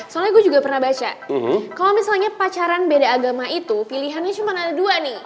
soalnya gue juga pernah baca kalau misalnya pacaran beda agama itu pilihannya cuma ada dua nih